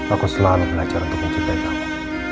aku selalu belajar untuk mencintai kamu